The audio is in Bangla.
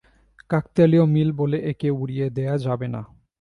কাকতালীয় মিল বলে একে উড়িয়ে দেয়া যাবে না।